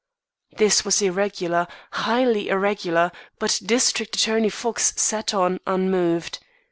This was irregular, highly irregular but District Attorney Fox sat on, unmoved.